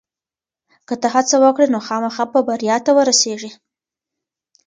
که ته هڅه وکړې نو خامخا به بریا ته ورسېږې.